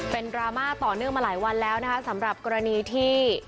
เป็นดราม่าต่อเนื่องมาหลายวันแล้วนะคะสำหรับกรณีที่